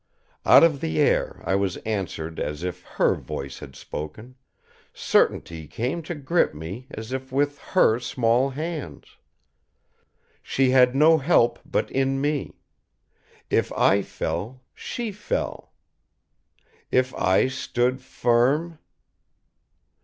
Out of the air I was answered as if her voice had spoken; certainty came to grip me as if with her small hands. She had no help but in me. If I fell, she fell. If I stood firm